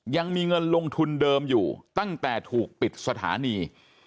ยังมีเงินลงทุนเดิมอยู่ตั้งแต่ถูกปิดสถานี